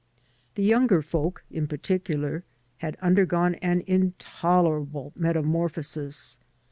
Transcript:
The younger folk, in particular, had undergone an intolerable metamorphosis.